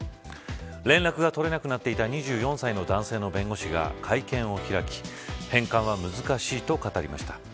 連絡が取れなくなっていた２４歳の男性の弁護士が会見を開き返還は難しいと語りました。